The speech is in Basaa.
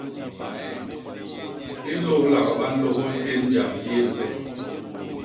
Lilôhlak ba nlôhôl tén njap li yé libe.